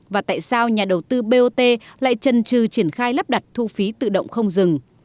và tại sao nhà đầu tư bot lại trần trừ triển khai lắp đặt thu phí tự động không dừng